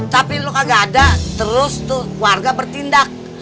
tapi lo kagak ada terus tuh warga bertindak